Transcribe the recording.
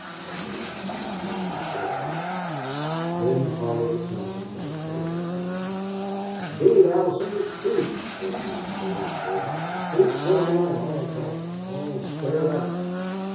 echoed Allison Lee, hoarsely. Then followed a sound of a chair falling. "Indeed, Allison, it's true," broke in a strange voice. "The street's full of men all talking all stirred up."